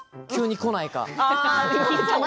急にこないか。